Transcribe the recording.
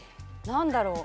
何だろう。